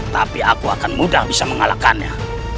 tapi aku akan mudah bisa mengalahkannya